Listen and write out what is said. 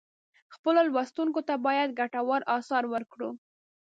خپلو لوستونکو ته باید ګټور آثار ورکړو.